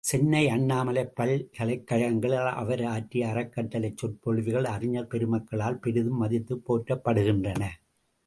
சென்னை, அண்ணாமலைப் பல்கலைக் கழகங்களில் அவர் ஆற்றிய அறக் கட்டளைச் சொற்பொழிவுகள் அறிஞர் பெருமக்களால் பெரிதும் மதித்துப் போற்றப்படுகின்றன.